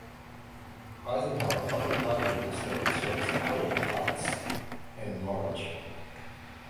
Eisenhower Public Library District serves Harwood Heights and Norridge.